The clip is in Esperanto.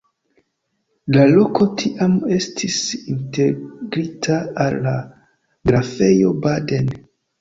La loko tiam estis integrita al la Grafejo Baden.